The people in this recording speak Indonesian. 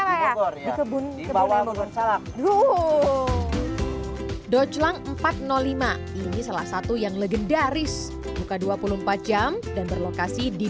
kebun kebun salam doclang empat ratus lima ini salah satu yang legendaris muka dua puluh empat jam dan berlokasi di